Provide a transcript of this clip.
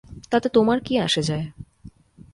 তাতে তোমার কী আসে যায়?